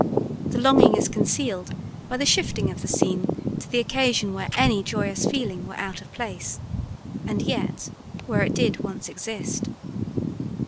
The longing is concealed by the shifting of the scene to the occasion when any joyous feeling were out of place, and yet where it did once exist.